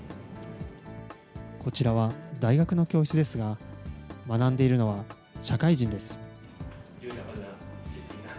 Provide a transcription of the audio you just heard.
こちらは大学の教室ですが、学んでいるのは社会人です。